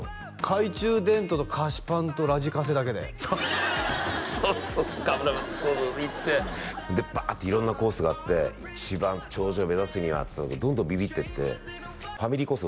懐中電灯と菓子パンとラジカセだけでそうそう行ってバーッて色んなコースがあって「一番頂上目指すには」っつってたんだけどどんどんビビってってファミリーコース